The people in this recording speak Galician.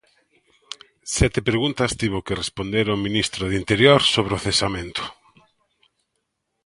Sete preguntas tivo que responder o ministro do Interior sobre o cesamento.